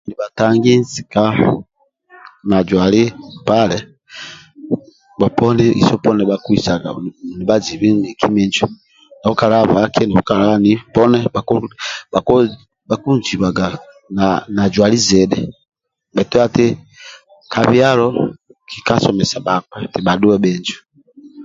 Nibhatangi naika na na jwali mpale bhoponi iso poni bhakisaga nibhanzibi miki minjo bhakinzibaga na zwali zidhi bhaitu ka byalo kisomesia bhakpa etib bhadhuwe bhinjo